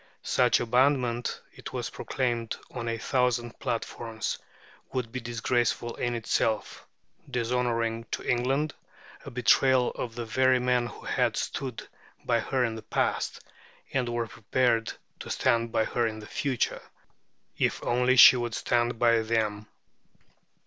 Such abandonment, it was proclaimed on a thousand platforms, would be disgraceful in itself, dishonouring to England, a betrayal of the very men who had stood by her in the past, and were prepared to stand by her in the future, if only she would stand by them.